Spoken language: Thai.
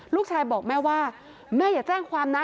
ลูกชายบอกแม่ว่าแม่อย่าแจ้งความนะ